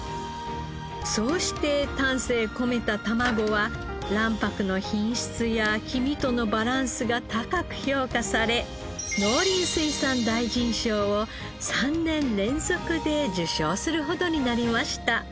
そうして丹精込めたたまごは卵白の品質や黄身とのバランスが高く評価され農林水産大臣賞を３年連続で受賞するほどになりました。